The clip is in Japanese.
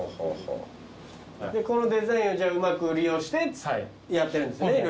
このデザインをうまく利用してやってるんですね